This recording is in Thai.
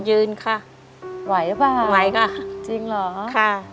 ยืนค่ะไหวหรือเปล่าไหวค่ะจริงเหรอค่ะ